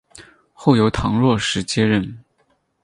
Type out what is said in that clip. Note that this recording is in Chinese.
后由唐若时接任。